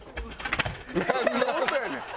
なんの音やねん！